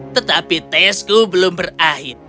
tetapi tesku belum berakhir